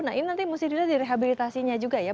nah ini nanti mesti dilihat di rehabilitasinya juga ya